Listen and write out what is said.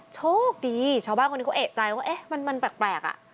โชคดีชาวบ้านคนนี้เขาเอกใจว่าเอ๊ะมันแปลกอ่ะ